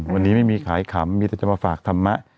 วันนี้ไม่มีขายขำมีแต่จะมาฝากธรรมะ